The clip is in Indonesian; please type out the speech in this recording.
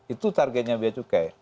itu targetnya biaya cukai